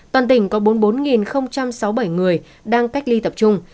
toàn tỉnh có bốn mươi bốn sáu mươi bảy người đang cách ly tập trung